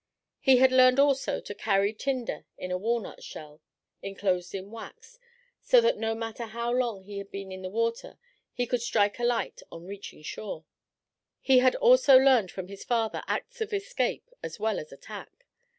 He had learned also to carry tinder in a walnut shell, enclosed in wax, so that no matter how long he had been in the water he could strike a light on reaching shore. He had also learned from his father acts of escape as well as attack.